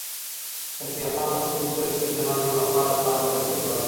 فتح خان د خپلو سرتیرو د نظم لپاره پلان ترتیب کړ.